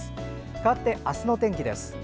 かわって、明日の天気です。